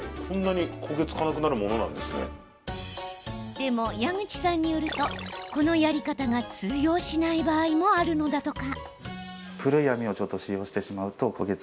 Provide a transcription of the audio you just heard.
でも、矢口さんによるとこのやり方が通用しない場合もあるのだとか。